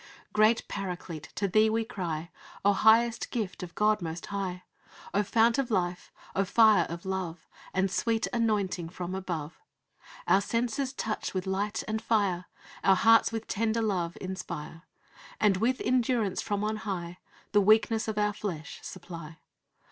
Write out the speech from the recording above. "Great Paraclete! to Thee we cry: O highest Gift of God most high! O Fount of life! O Fire of love! And sweet Anointing from above! "Our senses touch with light and fire; Our hearts with tender love inspire; And with endurance from on high The weakness of our flesh supply.